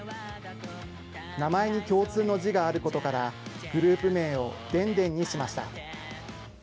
名前に共通の字があることから、グループ名を田田にしました。